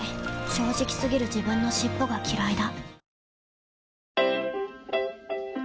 正直過ぎる自分の尻尾がきらいだ